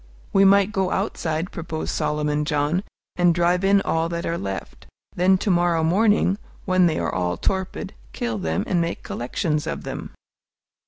"We might go outside," proposed Solomon John, "and drive in all that are left. Then to morrow morning, when they are all torpid, kill them and make collections of them."